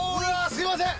すいません